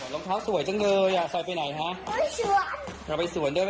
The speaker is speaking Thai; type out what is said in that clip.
รองเท้าสวยจังเลยอ่ะซอยไปไหนฮะเออสวนเอาไปสวน